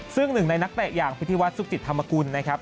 ซึ่งหนึ่งในนักเตะอย่างพิธีวัฒนสุขจิตธรรมกุลนะครับ